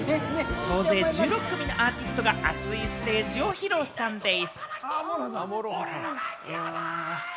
総勢１６組のアーティストが熱いステージを披露したんでぃす。